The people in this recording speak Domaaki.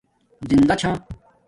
زندہ چھا